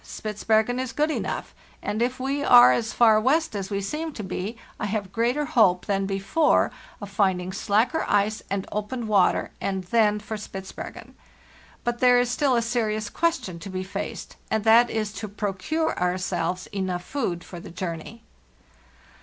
Spitzbergen is good enough, and if we are as far west as we seem to be, I have greater hope than before of finding slacker ice and open water; and then for Spitzbergen! But there is still a serious question to be faced, and that is to procure ourselves enough food for the journey.